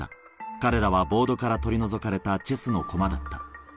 彼らはボードから取り除かれたチェスの駒だった。